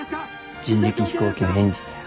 人力飛行機のエンジンや。